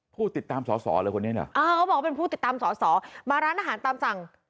ผู้ติดตามสอสอเลยคนนี้เหรออ่าเขาบอกว่าเป็นผู้ติดตามสอสอมาร้านอาหารตามสั่ง